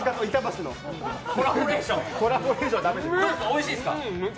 おいしいですか？